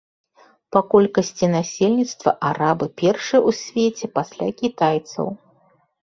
Па колькасці насельніцтва арабы першыя ў свеце пасля кітайцаў.